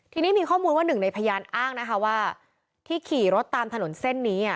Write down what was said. ทีนี้มีข้อมูลว่าหนึ่งในพยานอ้างนะคะว่าที่ขี่รถตามถนนเส้นนี้